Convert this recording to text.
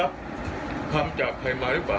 ัรับคำจากใครมาหรือเปล่า